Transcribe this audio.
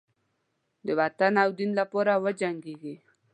د وطن او دین لپاره وجنګیږي.